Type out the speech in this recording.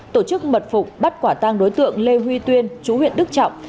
tổ chức mật phục bắt quả tang đối tượng lê huy tuyên chú huyện đức trọng